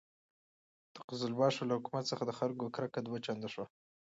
د قزلباشو له حکومت څخه د خلکو کرکه دوه چنده شوه.